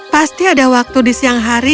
pasti ada waktu di siang hari